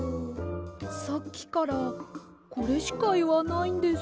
さっきからこれしかいわないんです。